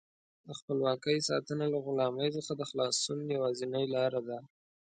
د خپلواکۍ ساتنه له غلامۍ څخه د خلاصون یوازینۍ لاره ده.